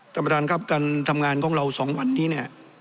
ท่านประธานครับการทำงานของเรา๒วันนี้เนี่ย